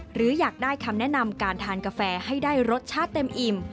หรืออยากได้คำแนะนำการทานกาแฟให้ได้รสชาติเต็มอิ่ม